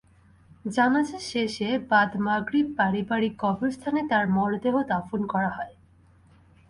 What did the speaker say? জানাজা শেষে বাদ মাগরিব পারিবারিক কবরস্থানে তার মরদেহ দাফন করা হয়।